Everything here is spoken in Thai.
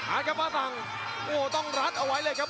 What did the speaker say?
ครับมาสั่งโอ้โหต้องรัดเอาไว้เลยครับ